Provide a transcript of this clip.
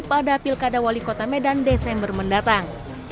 pada pilkada wali kota medan desember mendatang